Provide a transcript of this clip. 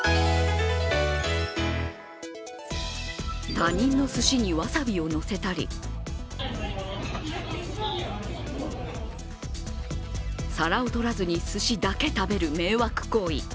他人のすしにわさびをのせたり皿を取らずにすしだけ食べる迷惑行為。